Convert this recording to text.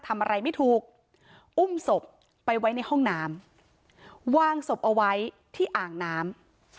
ทำอะไรไม่ถูกอุ้มศพไปไว้ในห้องน้ำวางศพเอาไว้ที่อ่างน้ำ